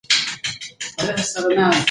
تخت باید په هره سهار پاک کړل شي.